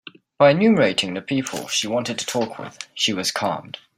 By enumerating the people she wanted to talk with, she was calmed.